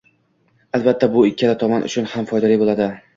Albatta, bu ikkala tomon uchun ham foydali bo'ladi